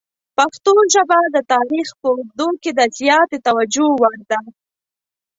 پښتو ژبه د تاریخ په اوږدو کې د زیاتې توجه وړ ده.